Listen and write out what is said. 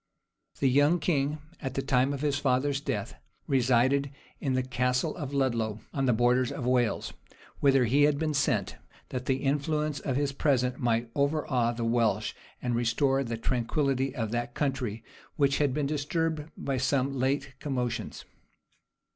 The young king, at the time of his father's death, resided in the Castle of Ludlow, on the borders of Wales; whither he had been sent, that the influence of his presence might overawe the Welsh, and restore the tranquillity of that country, which had been disturbed by some late commotions.